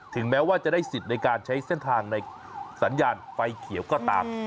แม้ว่าจะได้สิทธิ์ในการใช้เส้นทางในสัญญาณไฟเขียวก็ตาม